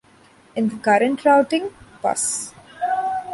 In the current routing, Bus.